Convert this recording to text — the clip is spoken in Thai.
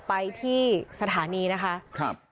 ไปที่สถานีนะคะครับ